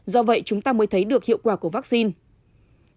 do vậy chúng ta mới thấy được hiệu quả của vaccine